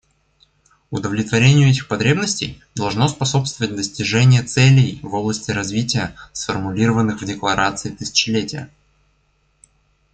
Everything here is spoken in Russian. Удовлетворению этих потребностей должно способствовать достижение целей в области развития, сформулированных в Декларации тысячелетия.